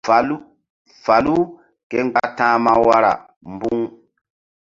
Falu ke mgba ta̧hma wara mbu̧ŋ.